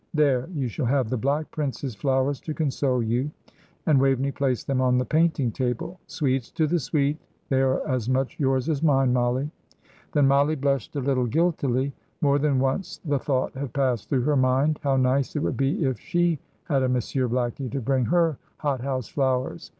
There, you shall have the Black Prince's flowers to console you;" and Waveney placed them on the painting table. "'Sweets to the sweet' they are as much yours as mine, Mollie." Then Mollie blushed a little guiltily. More than once the thought had passed through her mind how nice it would be if she had a Monsieur Blackie to bring her hot house flowers.